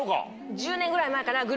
１０年ぐらい前かな？